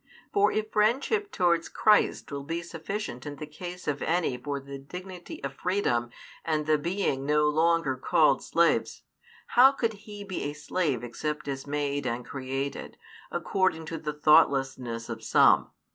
For if friendship towards Christ will be sufficient in the case of any for the dignity of freedom and the being no longer called slaves, how could He be a slave except as made and created, according to the thoughtlessness of some?